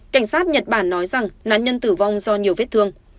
cảnh sát nhật bản nói rằng nạn nhân tử vong do nhiều vết thương